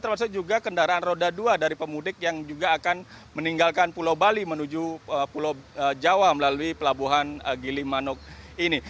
termasuk juga kendaraan roda dua dari pemudik yang juga akan meninggalkan pulau bali menuju pulau jawa melalui pelabuhan gilimanuk ini